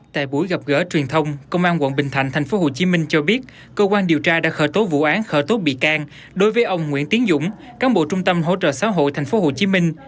tại buổi gặp gỡ truyền thông công an quận bình thạnh tp hcm cho biết cơ quan điều tra đã khởi tố vụ án khởi tố bị can đối với ông nguyễn tiến dũng cán bộ trung tâm hỗ trợ xã hội tp hcm